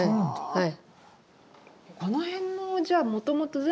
はい。